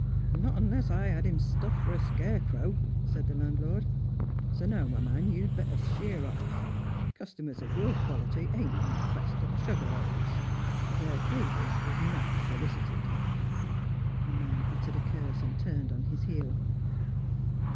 ' Not unless I had him stuffed for a scarecrow,' said the land lord ;' so now, my man, you'd better sheer off. Customers of your quality ain't in request at the " Sugar Loaves." Their favours is not solicited.' The man muttered a curse, and turned on his heel.